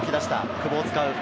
久保を使う。